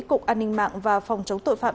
cục an ninh mạng và phòng chống tội phạm